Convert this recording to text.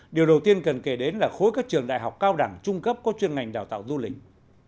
điều đầu tiên cần kể đến là khối các trường đại học cao đẳng trung cấp có chuyên ngành đào tạo du lịch